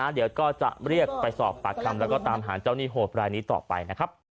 เดี๋ยวก็จะเรียกไปสอบปากคำแล้วก็ตามหาเจ้าหนี้โหดรายนี้ต่อไปนะครับ